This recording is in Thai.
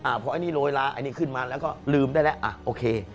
เพราะอันนี้โรยลาอันนี้ขึ้นมาแล้วก็ลืมได้แล้วอ่ะโอเค